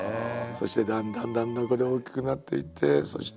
そしてだんだんだんだん大きくなっていってそして